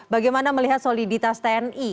bagaimana melihat soliditas tni